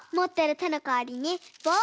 てのかわりにぼう？